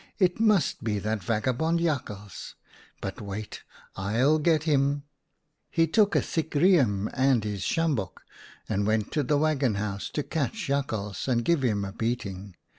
* It must be that vagabond Jakhals. But wait, I'll get him !' "He took a thick riem and his sjambok, and went to the waggon house to catch Jak hals and give him a beating.